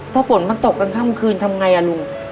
ถ้าฝนมันตกกันข้ามคืนทำไงลุง